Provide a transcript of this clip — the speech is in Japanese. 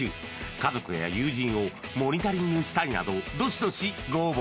家族や友人をモニタリングしたいなどどしどしご応募